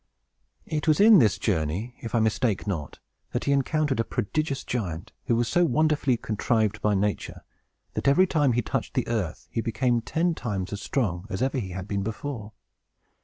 It was in this journey, if I mistake not, that he encountered a prodigious giant, who was so wonderfully contrived by nature, that every time he touched the earth he became ten times as strong as ever he had been before.